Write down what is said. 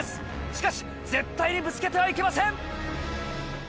しかし絶対にぶつけてはいけません！